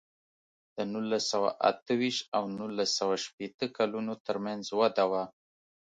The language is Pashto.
د نولس سوه اته ویشت او نولس سوه شپېته کلونو ترمنځ وده وه.